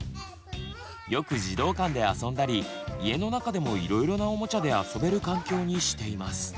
よく児童館であそんだり家の中でもいろいろなおもちゃであそべる環境にしています。